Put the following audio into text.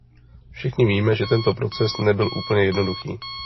Všichni víme, že tento proces nebyl úplně jednoduchý.